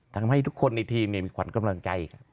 ทำให้ทุกคนในทีมเนี่ยมีขวัญกำลังใจ